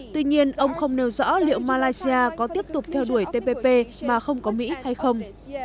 tuy nhiên ông không nêu rõ liệu malaysia có tiếp tục theo đuổi tpp mà không có mỹ hay không